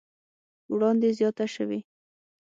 وړاندې زياته شوې